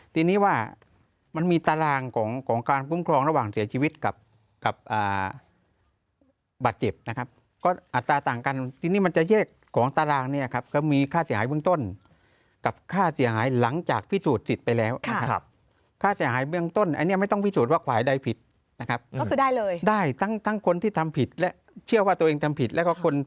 ทีนี้ว่ามันมีตารางของของการคุ้มครองระหว่างเสียชีวิตกับกับบาดเจ็บนะครับก็อัตราต่างกันทีนี้มันจะแยกของตารางเนี่ยครับก็มีค่าเสียหายเบื้องต้นกับค่าเสียหายหลังจากพิสูจน์สิทธิ์ไปแล้วนะครับค่าเสียหายเบื้องต้นอันนี้ไม่ต้องพิสูจน์ว่าฝ่ายใดผิดนะครับก็คือได้เลยได้ทั้งทั้งคนที่ทำผิดและเชื่อว่าตัวเองทำผิดแล้วก็คน